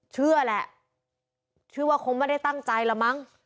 เชื่อแหละเชื่อว่าคงไม่ได้ตั้งใจละมั้ง